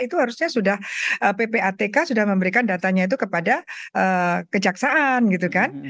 itu harusnya sudah ppatk sudah memberikan datanya itu kepada kejaksaan gitu kan